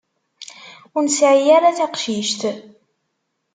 Ur nesɛi ara taqcict.